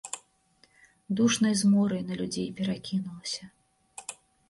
Душнай зморай на людзей перакінулася.